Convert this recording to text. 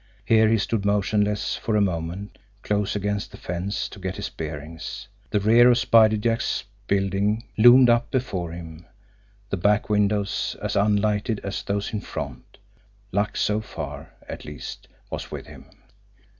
Here he stood motionless for a moment, close against the fence, to get his bearings. The rear of Spider Jack's building loomed up before him the back windows as unlighted as those in front. Luck so far, at least, was with him!